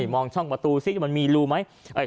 มองช่องประตูมันมีลูมั้ย